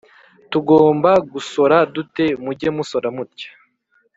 tugomba gusora dute’ muge musora mutya.